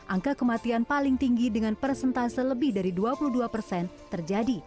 angka kematian paling tinggi dengan persentase lebih dari dua puluh dua persen terjadi